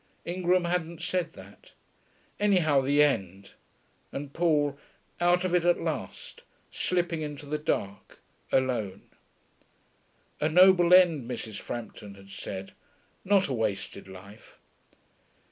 Ingram hadn't said that. Anyhow, the end; and Paul, out of it at last, slipping into the dark, alone.... A noble end, Mrs. Frampton had said, not a wasted life....